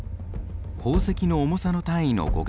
宝石の重さの単位の語源です。